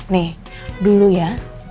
nih dulu ya